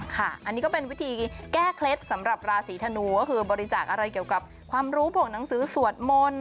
ค่ะอันนี้ก็เป็นวิธีแก้เคล็ดสำหรับราศีธนูก็คือบริจาคอะไรเกี่ยวกับความรู้พวกหนังสือสวดมนต์